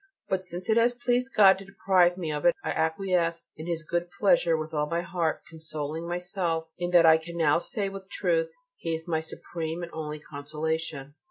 But since it has pleased God to deprive me of it I acquiesce in His good pleasure with all my heart, consoling myself in that I can now say with truth: "He is my supreme and only consolation."